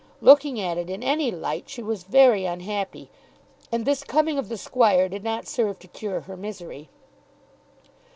Looking at it in any light, she was very unhappy, and this coming of the Squire did not serve to cure her misery.